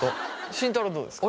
慎太郎はどうですか？